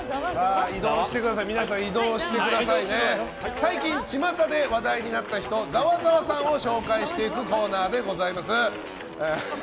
最近ちまたで話題になった人ざわざわさんを紹介していくコーナーです。